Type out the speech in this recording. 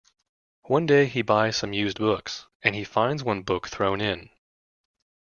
One day, he buys some used books, and he finds one book thrown in.